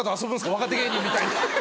若手芸人みたいに。